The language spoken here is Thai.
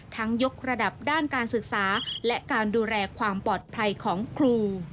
ยกระดับด้านการศึกษาและการดูแลความปลอดภัยของครู